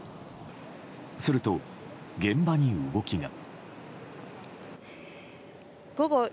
すると、現場に動きが。